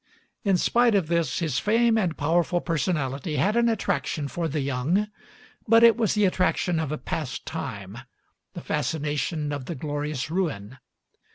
In spite of this, his fame and powerful personality had an attraction for the young; but it was the attraction of a past time, the fascination of the glorious ruin.